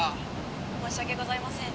「申し訳ございません」